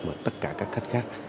mà tất cả các khách khác